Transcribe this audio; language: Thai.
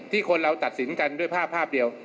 คนเราตัดสินกันด้วยภาพภาพเดียว